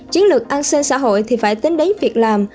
chiến lược an sinh xã hội thì phải tính đến việc làm